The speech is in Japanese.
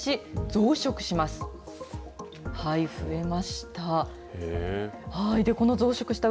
増えました。